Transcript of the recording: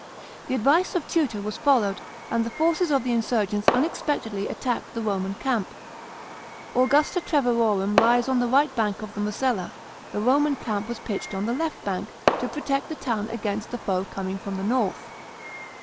The advice of Tutor was followed, and the forces o< the insurgents unexpectedly attacked the Roman camp. Augusta Treverorum lies on the right bank of the Mosella ; the Roman camp was pitched on the left bank, to protect the town against the foe coming from the north.